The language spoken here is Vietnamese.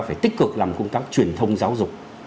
phải tích cực làm công tác truyền thông giáo dục